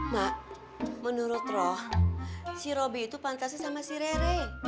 mak menurut roh si roby itu pantasnya sama si rere